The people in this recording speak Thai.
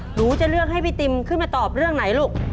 หนูจะเลือกให้พี่ติมขึ้นมาตอบเรื่องไหนลูก